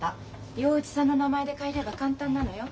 洋一さんの名前で借りれば簡単なのよ。